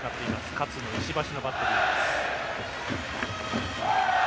勝野、石橋のバッテリー。